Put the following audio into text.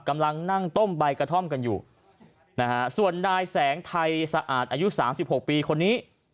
กำลังนั่งต้มใบกระท่อมกันอยู่นะฮะส่วนนายแสงไทยสะอาดอายุ๓๖ปีคนนี้